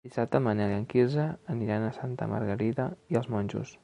Dissabte en Manel i en Quirze aniran a Santa Margarida i els Monjos.